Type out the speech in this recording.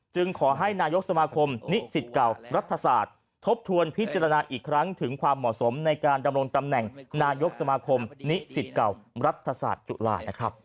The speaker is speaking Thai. ขอให้นายกสมาคมนิสิตเก่ารัฐศาสตร์ทบทวนพิจารณาอีกครั้งถึงความเหมาะสมในการดำรงตำแหน่งนายกสมาคมนิสิตเก่ารัฐศาสตร์จุฬานะครับ